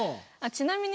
ちなみにね